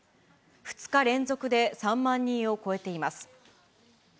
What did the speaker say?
２日連続で３万人を超えています。